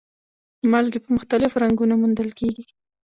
مالګې په مختلفو رنګونو موندل کیږي.